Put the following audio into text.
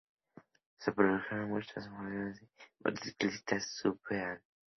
Se produjeron muchos modelos de motocicletas Sunbeam.